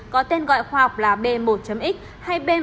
có tên gọi khoa học là b một x hay b một sáu trăm bốn mươi